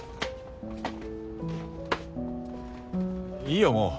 いいよもう。